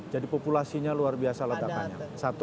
jadi populasinya luar biasa ledakannya